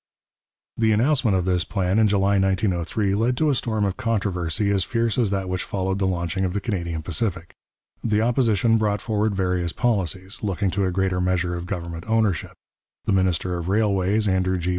The announcement of this plan in July 1903 led to a storm of controversy as fierce as that which followed the launching of the Canadian Pacific. The Opposition brought forward various policies, looking to a greater measure of government ownership; the minister of Railways, Andrew G.